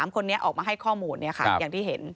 ๓คนนี้ออกมาให้ข้อมูลอย่างที่เห็น